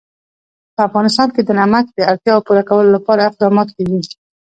په افغانستان کې د نمک د اړتیاوو پوره کولو لپاره اقدامات کېږي.